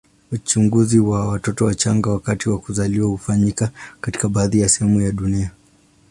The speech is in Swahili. Uchunguzi wa watoto wachanga wakati wa kuzaliwa hufanyika katika baadhi ya sehemu duniani.